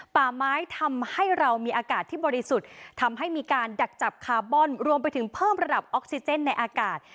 ป่าไม้ทำให้เรามีอากาศที่บริสุทธิ์ทำให้มีการดักจับคาร์บอนรวมไปถึงเพิ่มระดับออกซิเจนในอากาศ